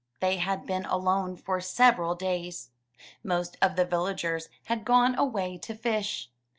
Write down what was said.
They had been alone for several days. Most of the villagers had gone away to fish.